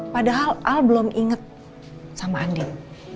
padahal al belum inget sama andien